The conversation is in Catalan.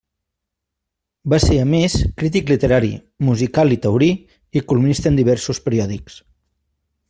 Va ser a més crític literari, musical i taurí i columnista en diversos periòdics.